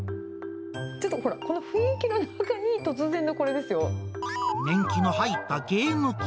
ちょっとこれ、この雰囲気の年季の入ったゲーム機。